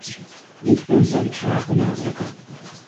Dit punt wilde ik graag benadrukken.